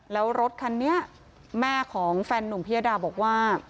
แล้วรถคันนี้แม่ของแฟนนุ่มพิยดาบอกว่า